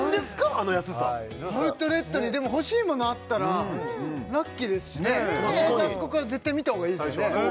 あの安さアウトレットに欲しいものあったらラッキーですしね必ずあそこから絶対見た方がいいですよね